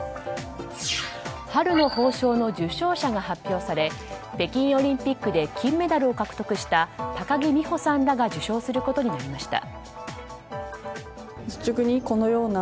春の褒章の受章者が発表され北京オリンピックで金メダルを獲得した高木美帆さんらが受章することになりました。